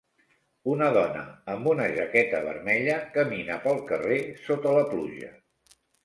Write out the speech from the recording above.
Una dona amb una jaqueta vermella camina pel carrer sota la pluja.